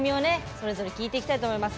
それぞれ聞いていきたいと思います。